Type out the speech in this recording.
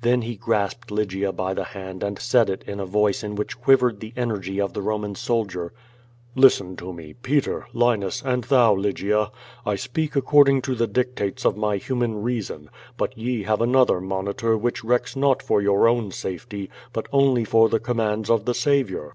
Then he grasped Lygia by the hand and said it in a voice in which quivered the energy of the Roman soldier: "Listen to me, Peter, Linus, and thou, Lygia. I speak ac cording to the dictates of my human reason, but ye have an other monitor which recks not for your own safety, but only for the commands of the Saviour.